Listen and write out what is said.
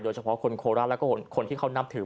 โดยเฉพาะคนโคลราดและคนที่เขานับถือ